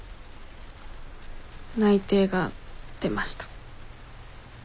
内定が出ました。